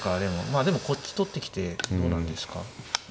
まあでもこっち取ってきてどうなんですか。